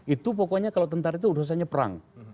itu pokoknya kalau tentara itu urusannya perang